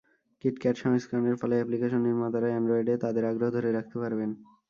KitKat সংস্করণের ফলে application নির্মাতারা অ্যান্ড্রয়েডে তাদের আগ্রহ ধরে রাখতে পারবেন।